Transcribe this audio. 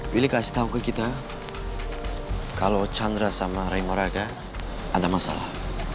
will kasih tau ke kita kalo chandran sama ray moraga ada masalah